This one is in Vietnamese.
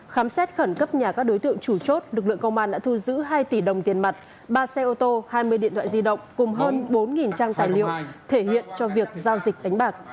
khám xét khẩn cấp nhà các đối tượng chủ chốt lực lượng công an đã thu giữ hai tỷ đồng tiền mặt ba xe ô tô hai mươi điện thoại di động cùng hơn bốn trang tài liệu thể hiện cho việc giao dịch đánh bạc